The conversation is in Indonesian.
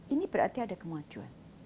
ini berarti ada kemajuan